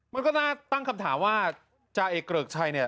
มันก็น่าตั้งคำถามว่าจ้าไอ้เกลือกชัย